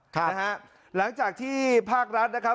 ค่ะนะฮะหลังจากที่ภาครัฐนะครับ